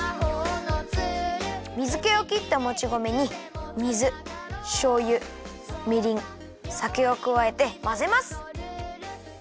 水けをきったもち米に水しょうゆみりんさけをくわえてまぜます。